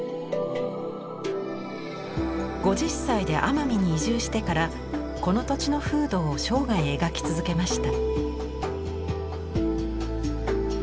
５０歳で奄美に移住してからこの土地の風土を生涯描き続けました。